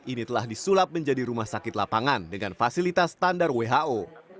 ini telah disulap menjadi rumah sakit lapangan dengan fasilitas standar who